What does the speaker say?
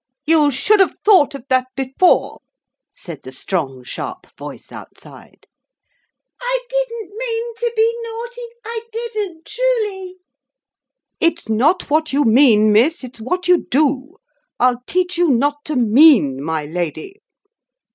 'You should have thought of that before,' said the strong, sharp voice outside. 'I didn't mean to be naughty. I didn't, truly.' 'It's not what you mean, miss, it's what you do. I'll teach you not to mean, my lady.'